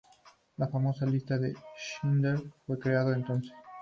La famosa lista de Schindler fue creado entonces.